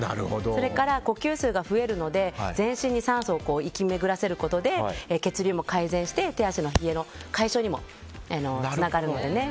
それから呼吸数が増えるので全身に酸素を行き巡るさせることで血流も改善して手足の冷えの解消につながるのでね。